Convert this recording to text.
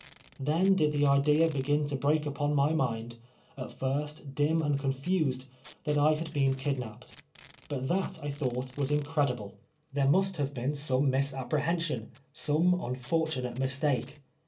Then did the idea begin to 1)reak upon my mind, at first dim and confused, that I had been kidnapped. But that I thought ^vas incredible. CHAIN'S AND DARKNESS. 39 Tliere must luivc Leen some misap])reliension — some Tinfortunato mistake.